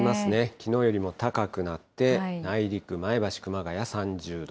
きのうよりも高くなって、内陸、前橋、熊谷３０度。